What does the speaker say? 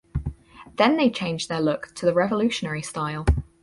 Then they changed their look to the revolutionary style.